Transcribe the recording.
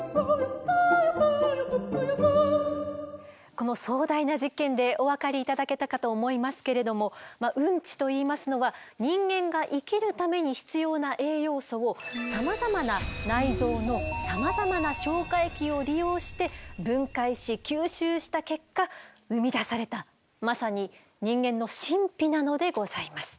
この壮大な実験でお分かり頂けたかと思いますけれどもウンチといいますのは人間が生きるために必要な栄養素をさまざまな内臓のさまざまな消化液を利用して分解し吸収した結果生み出されたまさに人間の神秘なのでございます。